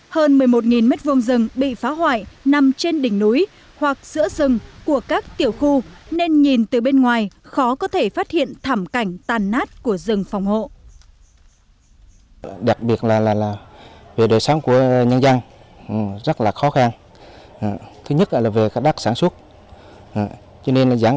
hơn một mươi một m hai rừng bị phá hoại nằm trên đỉnh núi hoặc giữa rừng của các tiểu khu nên nhìn từ bên ngoài khó có thể phát hiện thảm cảnh tàn nát của rừng phòng hộ